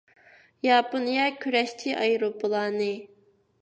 ياپونىيە كۈرەشچى ئايروپىلانى